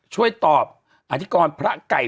ช่วยตอบอธิกรพระไก่